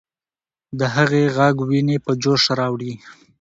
د هغې ږغ ويني په جوش راوړي.